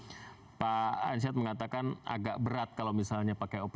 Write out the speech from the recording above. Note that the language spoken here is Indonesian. ada pak ansyat dan pak iwan yang akan berbincang juga bersama kita